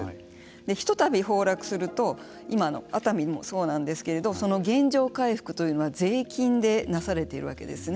ひとたび崩落すると今の熱海もそうなんですけれどもその原状回復というのは税金でなされているわけですね。